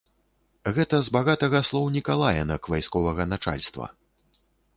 Гэта з багатага слоўніка лаянак вайсковага начальства.